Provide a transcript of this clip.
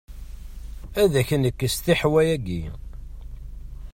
Ad nekkes ṭeḥwa-agi?